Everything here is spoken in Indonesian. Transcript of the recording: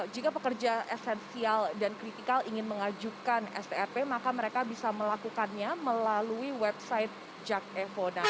jika pekerja esensial dan kritikal ingin mengajukan strp maka mereka bisa melakukannya melalui website jak evo